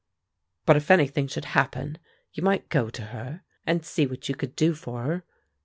"But if anything should happen, you might go to her, and see what you could do for her.